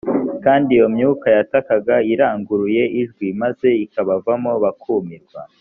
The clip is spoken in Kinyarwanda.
kandi iyo myuka yatakaga iranguruye ijwi maze ikabavamo bakumirwa